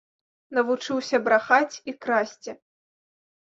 Навучыўся брахаць і красці.